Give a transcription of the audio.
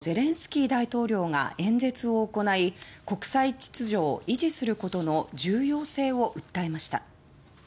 ウクライナのゼレンスキー大統領が演説を行い国際秩序を維持することの重要性を訴えました。